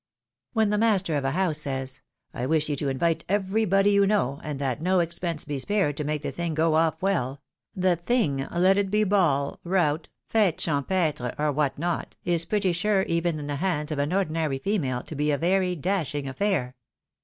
When the master of a house says, " I wish you to invite everybody you know, and that no expense be spared to make the thing go off well," the thing, let it be ball, rout, fete, champetre, or what not, is pretty sure, even in the hands of an ordinairy female, to be a very dashing affair.